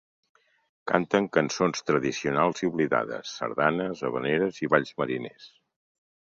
Canten cançons tradicionals i oblidades, sardanes, havaneres i balls mariners.